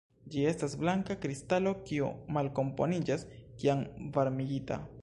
Ĝi estas blanka kristalo kiu malkomponiĝas kiam varmigita.